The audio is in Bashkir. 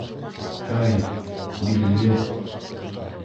—Һәй, Билле!